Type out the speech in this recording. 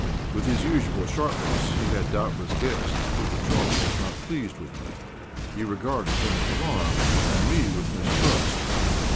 With his usual sharpness he had doubtless guessed that Pugatchéf was not pleased with me. He regarded him with alarm and me with mistrust.